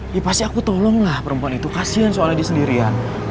ya pasti aku tolonglah perempuan itu kasian soalnya dia sendirian